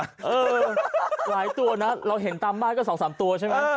หลายตัวนะเราเห็นตามบ้านก็๒๓ตัวใช่ไหม